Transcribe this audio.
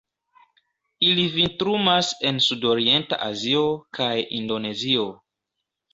Ili vintrumas en sudorienta Azio kaj Indonezio.